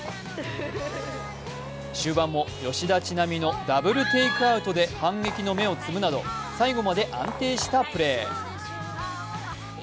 終盤も吉田知那美のダブルテイクアウトで反撃の芽を摘むなど、最後まで安定したプレー。